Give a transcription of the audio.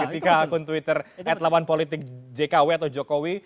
ketika akun twitter atlawan politik jkw atau jokowi